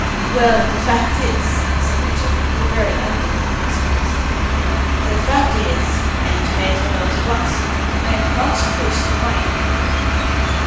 "Well, the fact is," said Richard, with a very ugly look on his face, "the fact is and you may as well know it at once I am much pushed for money."